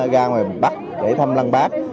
ra ngoài bắc để thăm lăng bác